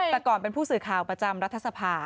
แต่ก่อนเป็นผู้สื่อข่าวประจำรัฐสภา